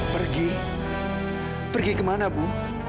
pergi pergi ke mana bu